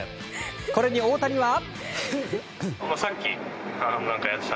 これに大谷は。